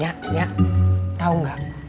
nyak nyak tau gak